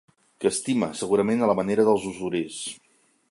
Que estima, segurament a la manera dels usurers.